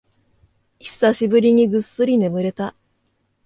久しぶりにぐっすり眠れた